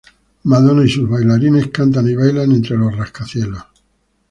Madonna y sus bailarines cantan y bailan entre los rascacielos.